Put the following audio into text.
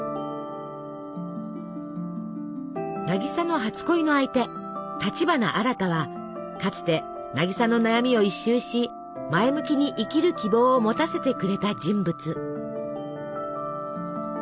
渚の初恋の相手立花アラタはかつて渚の悩みを一蹴し前向きに生きる希望を持たせてくれた人物。